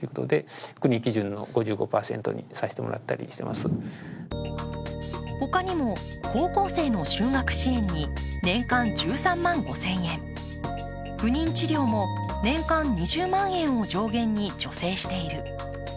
まず１つ目は他にも高校生の就学支援に年間１３万５０００円、不妊治療も年間２０万円を上限に助成している。